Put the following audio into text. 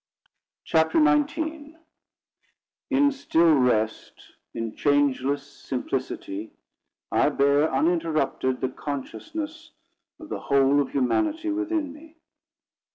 CHAPTER XIX "In still rest, in changeless simplicity, I bear, uninterrupted, the consciousness of the whole of Humanity within me."